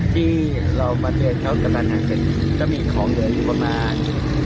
ที่เรามาเจอเขากำลังจะมีของเดือนอยู่ประมาณ